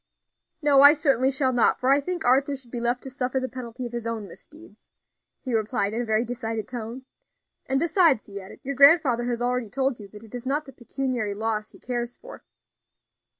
"No, I certainly shall not, for I think Arthur should be left to suffer the penalty of his own misdeeds," he replied in a very decided tone; "and, besides," he added, "your grandfather has already told you that it is not the pecuniary loss he cares for."